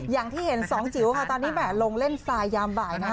อย่างที่เห็นสองจิ๋วค่ะตอนนี้แห่ลงเล่นทรายยามบ่ายนะฮะ